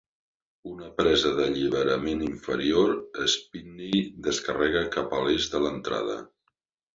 Una presa d'alliberament inferior, Spinney descarrega cap a l'est de l'entrada.